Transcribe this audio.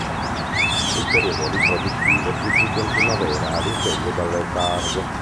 Il periodo riproduttivo si situa in primavera, al risveglio dal letargo.